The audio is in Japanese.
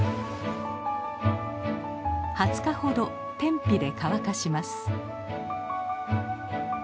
２０日ほど天日で乾かします。